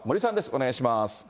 お願いします。